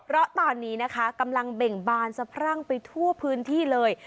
เพราะตอนนี้นะคะกำลังเบ่งบานสะพรั่งไปทั่วพื้นที่เลย